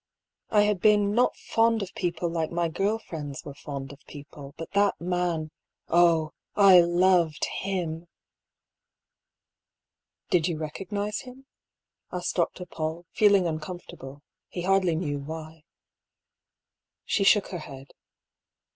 I had been not fond of people like my girl friends were fond of people ; but that man, oh ! I loved him !"" Did you recognise him ?" asked Dr. PauU, feeling uncomfortable, he hardly knew why. She shook her head.